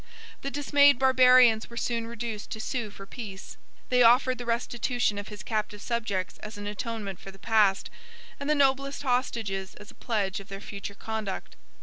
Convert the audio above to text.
The dismayed Barbarians were soon reduced to sue for peace: they offered the restitution of his captive subjects as an atonement for the past, and the noblest hostages as a pledge of their future conduct.